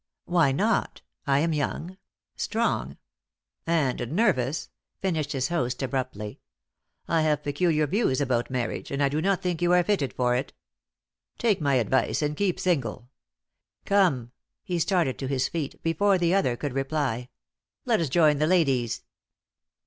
"Why not? I am young, strong " "And nervous," finished his host abruptly. "I have peculiar views about marriage, and I do not think you are fitted for it. Take my advice, and keep single. Come," he started to his feet before the other could reply, "let us join the ladies."